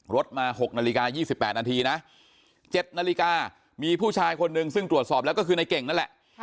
รถมา๖นาฬิกา๒๘นาทีนะ๗นาฬิกามีผู้ชายคนนึงซึ่งตรวจสอบแล้วก็คือในเก่งนั่นแหละ